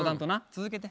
続けて。